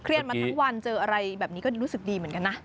มาทั้งวันเจออะไรแบบนี้ก็รู้สึกดีเหมือนกันนะ